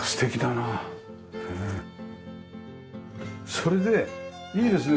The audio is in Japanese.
それでいいですね。